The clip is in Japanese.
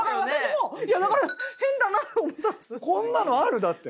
こんなのある？だって。